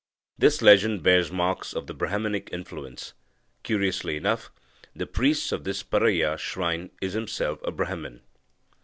This legend bears marks of Brahmanic influence. Curiously enough, the priest of this Paraiya shrine is himself a Brahman."